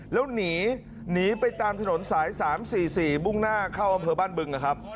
แล้วหนีหนีไปตามถนนสาย๓๔๔มุ่งหน้าเข้าอำเภอบ้านบึงนะครับ